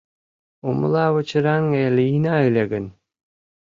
Умлавычыраҥге лийына ыле гын